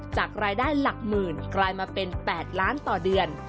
จากรายได้หลักหมื่นกลายมาเป็น๘ล้านต่อเดือน